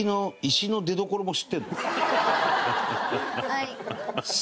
はい。